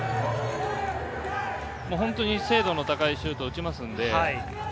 本当に精度の高いシュートを打ちますので。